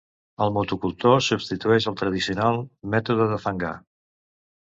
El motocultor substitueix el tradicional mètode de fangar.